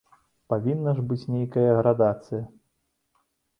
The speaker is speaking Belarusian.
Павінна ж быць нейкая градацыя.